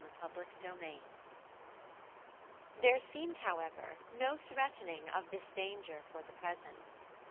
CHAPTER XIX THERE seemed, however, no threatening of this danger for the present.